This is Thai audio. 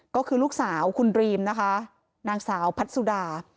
ก็คือลูกสาวคุณดรีมนะคะนางสาวพัดสุดา